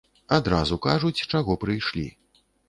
Адразу кажуць, чаго прыйшлі.